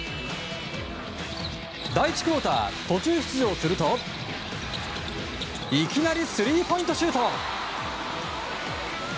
第１クオーター、途中出場するといきなりスリーポイントシュート！